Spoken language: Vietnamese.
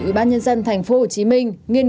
ủy ban nhân dân thành phố hồ chí minh